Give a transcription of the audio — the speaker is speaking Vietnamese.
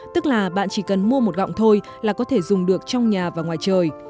tức là bạn chỉ cần mua một gọng thôi là có thể dùng được trong nhà và ngoài trời